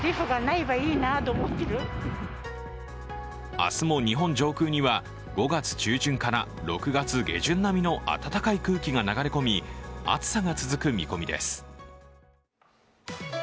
明日も日本上空には５月中旬から６月下旬並みの暖かい空気が流れ込み暑さが続く見込みです。